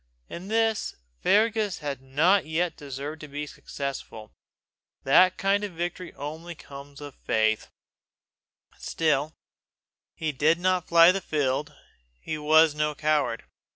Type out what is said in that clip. In this Fergus had not yet deserved to be successful. That kind of victory comes only of faith. Still, he did not fly the field; he was no coward.